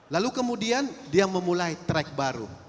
lalu kemudian dia memulai track baru